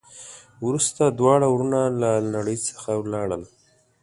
وروسته دواړه ورونه له نړۍ څخه ولاړل.